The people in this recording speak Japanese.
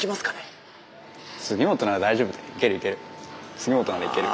杉本ならいける。